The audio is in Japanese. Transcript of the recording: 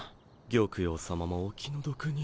玉葉さまもお気の毒に。